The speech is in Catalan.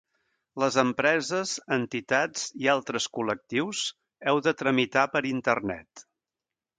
Les empreses, entitats i altres col·lectius heu de tramitar per internet.